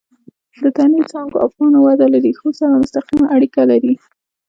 د تنې، څانګو او پاڼو وده له ریښو سره مستقیمه اړیکه لري.